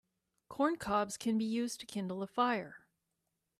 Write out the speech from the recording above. Corn cobs can be used to kindle a fire.